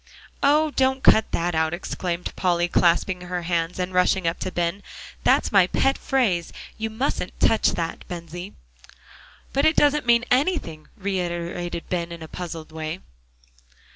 "Oh! don't cut that out," exclaimed Polly, clasping her hands and rushing up to Ben. "That's my pet phrase; you mustn't touch that, Bensie." "But it doesn't mean anything," reiterated Ben in a puzzled way.